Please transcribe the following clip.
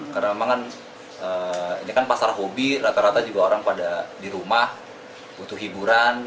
karena memang kan ini kan pasar hobi rata rata juga orang pada di rumah butuh hiburan